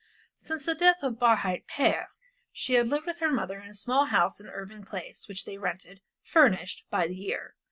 Since the death of Barhyte père she had lived with her mother in a small house in Irving Place, which they rented, furnished, by the year.